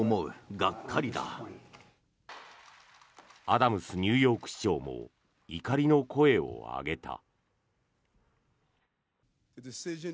アダムスニューヨーク市長も怒りの声を上げた。